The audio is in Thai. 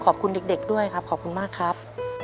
ขอบคุณเด็กด้วยครับขอบคุณมากครับ